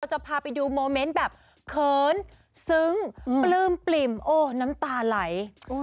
จะพาไปดูโมเมนต์แบบเขินซึ้งปลื้มปลิ่มโอ้น้ำตาไหล